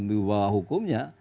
di bawah hukumnya